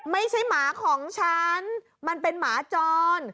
ไม่ใช่หมาของฉันมันเป็นหมาจร